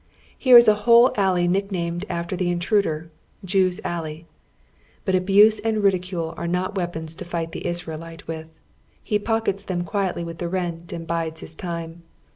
Here is a whole alley nicknamed after the intruder, Jews' Alley. But abuse and ridicule are not weapons to fight the Isra elite with. He pockets them quietly with the rent and bides his time.